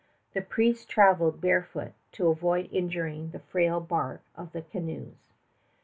The priests traveled barefoot to avoid injuring the frail bark of the canoes.